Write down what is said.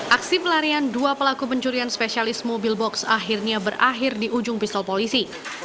aksi pelarian dua pelaku pencurian spesialis mobil box akhirnya berakhir di ujung pisau polisi